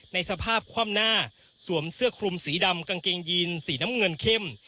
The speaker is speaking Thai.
ในสภาพคว่ำหน้าสวมเสื้อคลุมสีดำกางเกงยีนสีน้ำเงินเข้ม